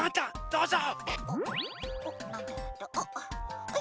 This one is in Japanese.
どうぞ。